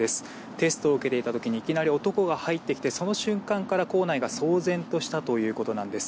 テストを受けていた時にいきなり男が入ってきてその瞬間から校内が騒然としたということなんです。